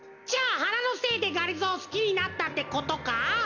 じゃあはなのせいでがりぞーをすきになったってことか？